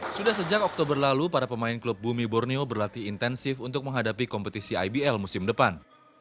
sudah sejak oktober lalu para pemain klub bumi borneo berlatih intensif untuk menghadapi kompetisi ibl musim depan